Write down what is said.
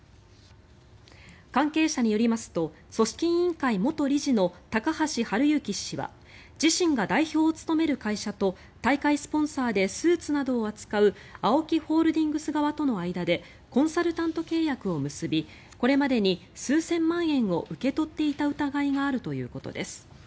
関係者によりますと組織委員会元理事の高橋治之氏は自身が代表を務める会社と大会スポンサーでスーツなどを扱うＡＯＫＩホールディングス側との間でコンサルタント契約を結びこれまでに数千万円を受け取っていた疑いがあるということです。